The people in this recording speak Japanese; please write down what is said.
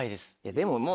でももう。